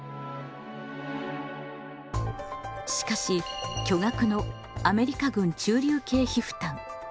しかし巨額のアメリカ軍駐留経費負担